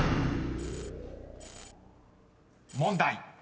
［問題］